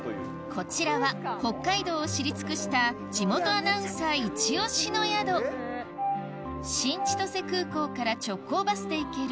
こちらは北海道を知り尽くした地元アナウンサーイチオシの宿新千歳空港から直行バスで行ける